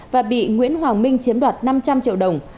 và bị nguyễn hoàng minh chiếm đoạt năm trăm linh triệu đồng